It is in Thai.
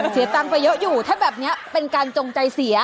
เสียตังค์ไปเยอะอยู่ถ้าแบบนี้เป็นการจงใจเสีย